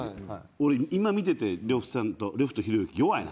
俺今見てて呂布さんと呂布とひろゆき弱いな。